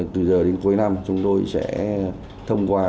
từ giờ đến cuối năm chúng tôi sẽ thông qua